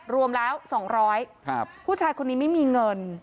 รวมแล้วสองร้อยผู้ชายคนนี้ไม่มีเงิน